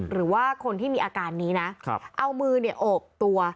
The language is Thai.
หรือว่าคนที่มีอาการนี้นะเอามือเนี่ยโอบตัว